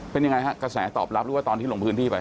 เป็นยังไงฮะกระแสตอบรับหรือว่าตอนที่ลงพื้นที่ไป